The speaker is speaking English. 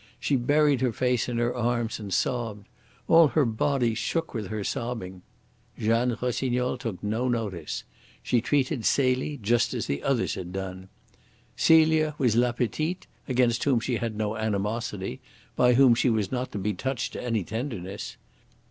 She buried her face in her arms and sobbed. All her body shook with her sobbing. Jeanne Rossignol took no notice. She treated Celie just as the others had done. Celia was LA PETITE, against whom she had no animosity, by whom she was not to be touched to any tenderness.